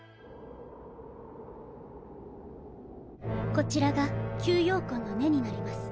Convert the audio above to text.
こちらが吸妖魂の根になります。